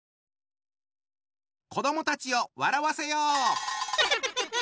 子どもたちを笑わせよう！